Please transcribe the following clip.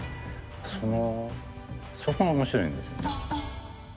そのそこが面白いんですよね。